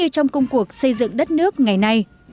trong công cuộc xây dựng đất nước ngày nay